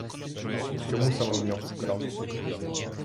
Чому саме в нього вкрав?